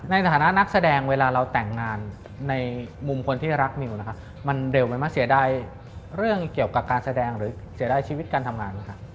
ในฐานะนักแสดงเวลาเราแต่งงานในมุมคนที่รักมิวนะคะมันเร็วไหมเสียดายเรื่องเกี่ยวกับการแสดงหรือเสียดายชีวิตการทำงาน